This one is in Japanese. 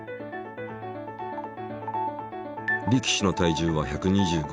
力士の体重は１２５ｋｇ。